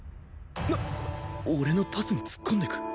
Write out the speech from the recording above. なっ俺のパスに突っ込んでく